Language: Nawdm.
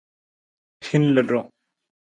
Hin ludu.